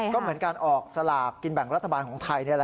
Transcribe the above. ก็เหมือนการออกสลากกินแบ่งรัฐบาลของไทย